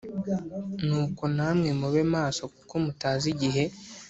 Nuko namwe mube maso kuko mutazi igihe